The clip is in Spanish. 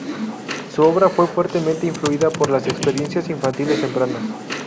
Su obra fue fuertemente influida por las experiencias infantiles tempranas.